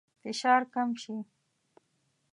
فشار کم شي.